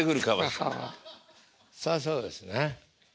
そらそうですね。